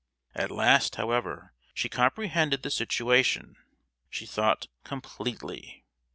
At last, however, she comprehended the situation, she thought, completely.